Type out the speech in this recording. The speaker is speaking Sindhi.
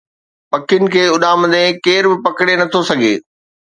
پکين کي اڏامندي ڪير به پڪڙي نٿو سگهي